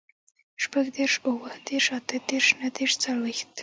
شپوږدېرش, اوهدېرش, اتهدېرش, نهدېرش, څلوېښت